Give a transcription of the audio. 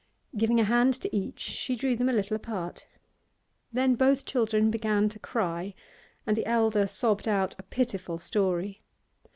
Giving a hand to each, she drew them a little apart. Then both children began to cry, and the elder sobbed out a pitiful story.